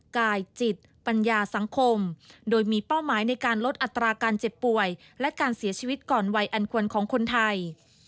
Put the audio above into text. กายจิตปัญญาสังคมโดยมีเป้าหมายในการลดอัตราการเจ็บป่วยและการเสียชีวิตก่อนวัยอันควรของคนไทย